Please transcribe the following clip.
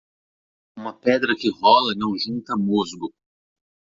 Uma pedra que rola não junta musgo